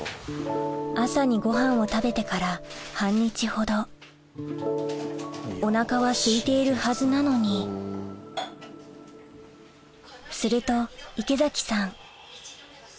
朝にごはんを食べてから半日ほどお腹はすいているはずなのにすると池崎さん